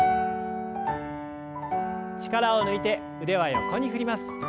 力を抜いて腕は横に振ります。